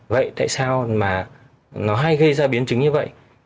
vậy tại sao mà nó hay gây ra biến chứng như vậy